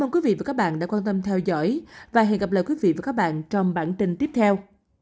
quý vị và các bạn đã quan tâm theo dõi và hẹn gặp lại quý vị và các bạn trong bản tin tiếp theo